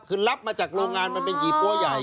คือรับมาจากโรงงานมันเป็นยี่ปั้วใหญ่